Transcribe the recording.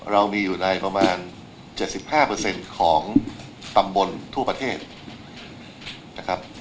เรามีอยู่ในประมาณ๗๕ของตำบลทั่วประเทศนะครับ